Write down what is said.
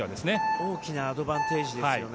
大きなアドバンテージですよね。